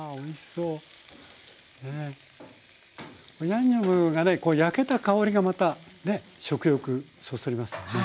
ヤンニョムがね焼けた香りがまたね食欲そそりますよね。